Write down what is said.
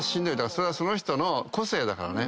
それはその人の個性だからね。